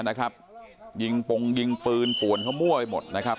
นะครับยิงปงยิงปืนป่วนเขามั่วไปหมดนะครับ